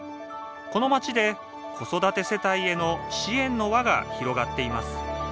この街で、子育て世帯への支援の輪が広がっています